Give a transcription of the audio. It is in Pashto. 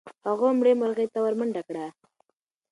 هغه مړې مرغۍ ته ورمنډه کړه.